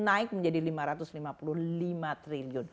naik menjadi lima ratus lima puluh lima triliun